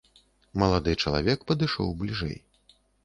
Малады чалавек падышоў бліжэй.